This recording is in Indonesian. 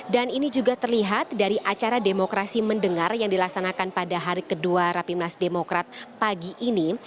dan ini juga terlihat dari acara demokrasi mendengar yang dilaksanakan pada hari kedua rapimnas demokrat pagi ini